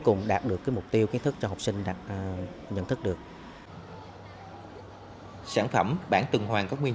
cùng đạt được cái mục tiêu kiến thức cho học sinh nhận thức được sản phẩm bảng từng hoàng có nguyên